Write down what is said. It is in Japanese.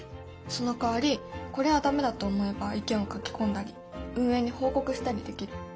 そのかわりこれは駄目だと思えば意見を書き込んだり運営に報告したりできる。